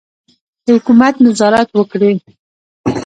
د حکومت نظارت وکړي.